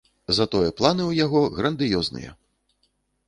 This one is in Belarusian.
Затое планы ў яго грандыёзныя.